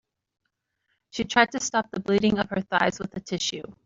She tried to stop the bleeding of her thighs with a tissue.